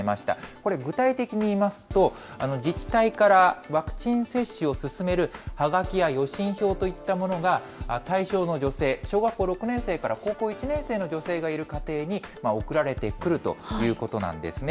これ、具体的に言いますと、自治体からワクチン接種を勧めるはがきや予診票といったものが、対象の女性、小学校６年生から高校１年生の女性がいる家庭に送られてくるということなんですね。